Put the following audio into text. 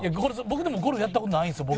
僕でもゴルフやった事ないんですよ